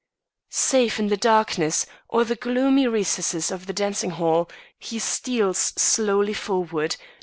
"Safe in the darkness of the gloomy recesses of the dancing hall, he steals slowly forward.